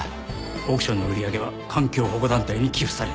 オークションの売り上げは環境保護団体に寄付される。